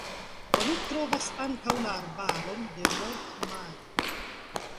Oni trovas ankaŭ la arbaron de Mort-Mare.